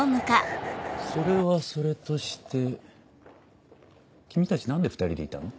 それはそれとして君たち何で２人でいたの？